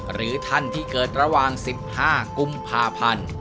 หรือท่านที่เกิดระหว่าง๑๕กุมภาพันธ์